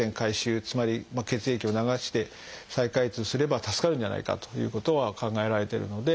つまり血液を流して再開通すれば助かるんじゃないかということは考えられてるので。